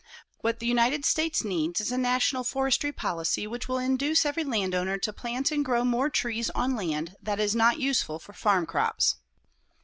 What the United States needs is a national forestry policy which will induce every landowner to plant and grow more trees on land that is not useful for farm crops.